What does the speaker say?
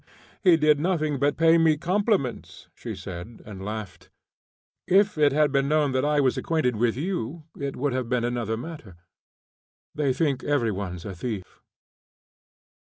He did nothing but pay me compliments," she said, and laughed. "If it had then been known that I was acquainted with you, it would have been another matter. They think every one's a thief."